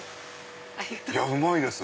うまいです！